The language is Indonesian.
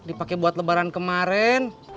dipake buat lebaran kemarin